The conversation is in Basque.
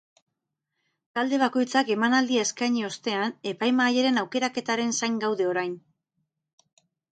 Talde bakoitzak emanaldia eskaini ostean, epaimahairen aukeraketaren zain gaude orain.